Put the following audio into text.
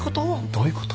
どういうこと？